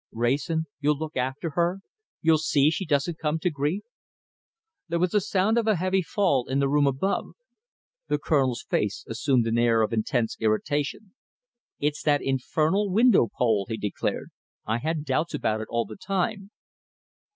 "Wrayson, you'll look after her. You'll see she doesn't come to grief!" There was the sound of a heavy fall in the room above. The Colonel's face assumed an air of intense irritation. "It's that infernal window pole," he declared. "I had doubts about it all the time."